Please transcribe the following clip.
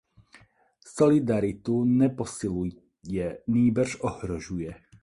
Solidaritu neposiluje, nýbrž ohrožuje.